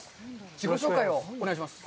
自己紹介をお願いします。